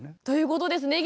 ということです。